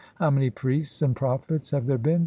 How many priests and prophets have there been !